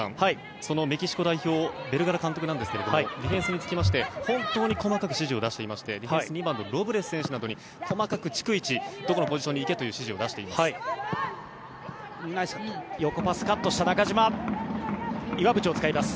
そのメキシコ代表のベルガラ監督なんですけどディフェンスにつきまして本当に細かく指示を出していまして２番のロブレス選手などに細かく逐一どこのポジションに行けという指示を出しています。